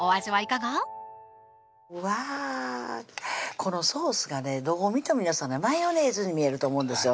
このソースがねどう見ても皆さんねマヨネーズに見えると思うんですよ